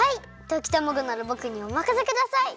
ときたまごならぼくにおまかせください！